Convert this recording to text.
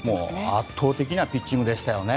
圧倒的なピッチングでしたよね。